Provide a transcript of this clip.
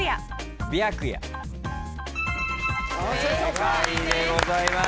正解でございます。